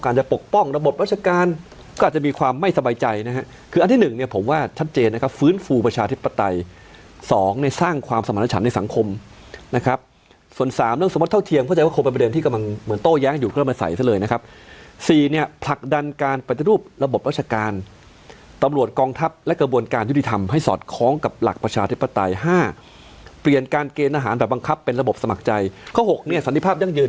โค้ยแย้งอยู่เข้ามาใส่ซะเลยนะครับสี่เนี้ยผลักดันการปฏิรูประบบราชกาลตำรวจกองทัพและกระบวนการยุดิธรรมให้สอดคล้องกับหลักประชาธิปไตยห้าเปลี่ยนการเกณฑ์อาหารแบบบังคับเป็นระบบสมัคใจข้อหกเนี้ยสันทิภาพยังยืน